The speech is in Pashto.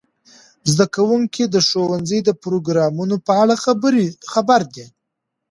زده کوونکي د ښوونځي د پروګرامونو په اړه خبر دي.